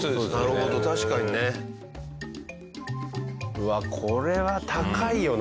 うわこれは高いよな